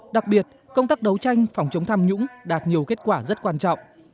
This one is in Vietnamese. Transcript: đặc biệt công tác đấu tranh phòng chống tham nhũng đạt nhiều kết quả rất quan trọng